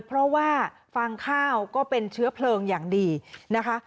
เพราะว่าฟางข้าวก็เป็นเชื้อเพลิงอย่างดีนะคะ